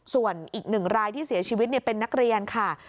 ส่วนอีกหนึ่งรายที่เสียชีวิตเป็นนักเรียนค่ะ